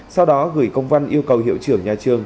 sau đó gửi công văn yêu cầu hiệu trưởng nhà trường